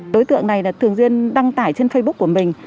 đối tượng này thường duyên đăng tải trên facebook của mình